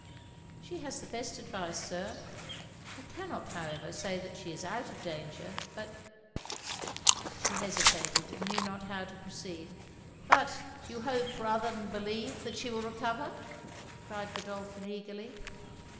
'She has the best advice, Sir. I cannot, however, say that she is out of danger, but' She hesitated, and knew not how to proceed. 'But you hope, rather than believe, she will recover,' cried Godolphin eagerly.